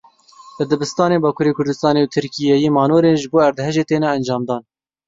Li dibistanên Bakurê Kurdistanê û Tirkiyeyê manorên ji bo erdhejê têne encamdan.